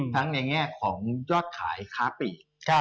ในแง่ของยอดขายค้าปีก